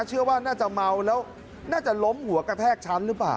เชื่อว่าน่าจะเมาแล้วน่าจะล้มหัวกระแทกชั้นหรือเปล่า